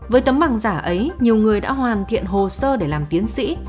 với tấm bằng giả ấy nhiều người đã hoàn thiện hồ sơ để làm tiến sĩ